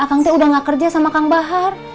kang t udah nggak kerja sama kang bahar